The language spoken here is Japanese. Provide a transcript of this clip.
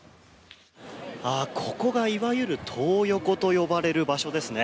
ここがいわゆるトー横と呼ばれる場所ですね。